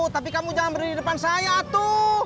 tapi kamu jangan berdiri depan saya atu